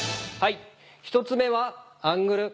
１つ目は「アングル」。